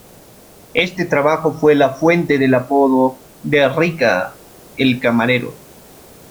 Este trabajo fue la fuente del apodo de Ricca "El camarero".